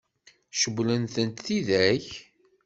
Cewwlent-tent tidak?